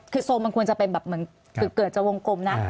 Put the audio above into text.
คือโซนมันควรจะเป็นแบบเหมือนเกือบจะวงกลมนะ